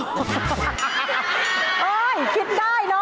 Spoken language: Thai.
อ้อยคิดได้เนอะ